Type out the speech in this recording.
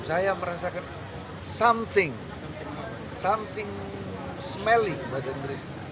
saya merasakan sesuatu sesuatu yang berisik bahasa inggris